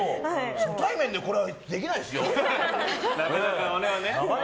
初対面でこれはできないですよ。